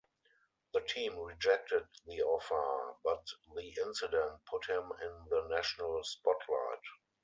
The team rejected the offer, but the incident put him in the national spotlight.